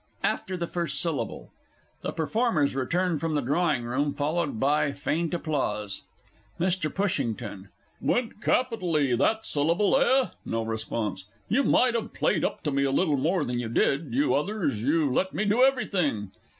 _ AFTER THE FIRST SYLLABLE. The Performers return from the drawing room, followed by faint applause. MR. PUSHINGTON. Went capitally, that syllable, eh? (No response.) You might have played up to me a little more than you did you others. You let me do everything!